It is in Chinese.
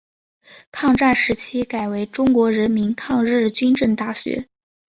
抗战时期改为中国人民抗日军政大学。